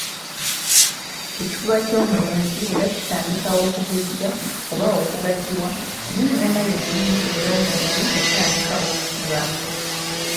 Ekifuba ky'Omulenzi era kitandika okugejja oba okugaziwa n'ennyama yennyini ey'omubiri etandika okusiba,